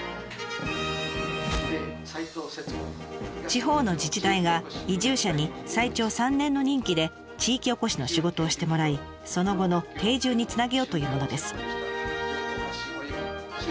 地方の自治体が移住者に最長３年の任期で地域おこしの仕事をしてもらいその後の定住につなげようというものです。